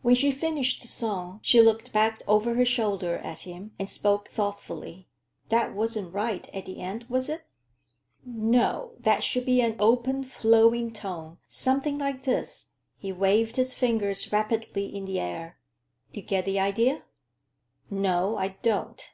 When she finished the song, she looked back over her shoulder at him and spoke thoughtfully. "That wasn't right, at the end, was it?" "No, that should be an open, flowing tone, something like this,"—he waved his fingers rapidly in the air. "You get the idea?" "No, I don't.